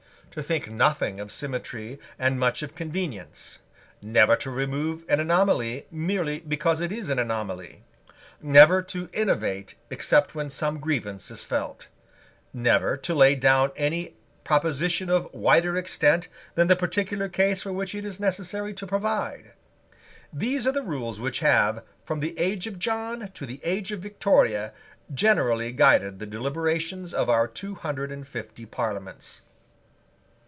To think nothing of symmetry and much of convenience; never to remove an anomaly merely because it is an anomaly; never to innovate except when some grievance is felt; never to innovate except so far as to get rid of the grievance; never to lay down any proposition of wider extent than the particular case for which it is necessary to provide; these are the rules which have, from the age of John to the age of Victoria, generally guided the deliberations of our two hundred and fifty Parliaments.